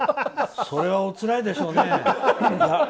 それはおつらいでしょうね。